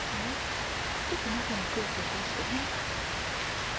ちょっと中の空気を出してね。